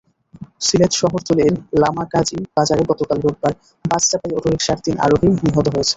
সিলেট শহরতলির লামাকাজি বাজারে গতকাল রোববার বাসচাপায় অটোরিকশার তিন আরোহী নিহত হয়েছেন।